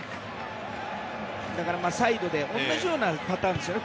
だから、サイドで同じようなパターンですね。